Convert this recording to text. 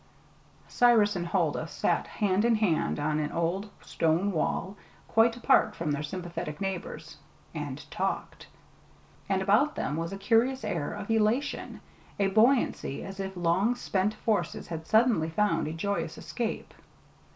Cyrus and Huldah sat hand in hand on an old stone wall, quite apart from their sympathetic neighbors, and talked. And about them was a curious air of elation, a buoyancy as if long pent forces had suddenly found a joyous escape.